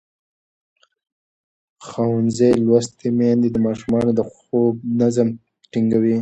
ښوونځې لوستې میندې د ماشومانو د خوب نظم ټینګوي.